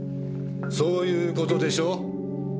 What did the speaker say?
そういう事でしょ？